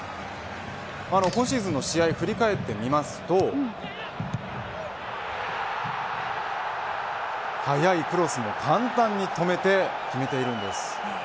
今シーズンの試合を振り返ってみますと早いクロスも簡単に止めて決めているんです。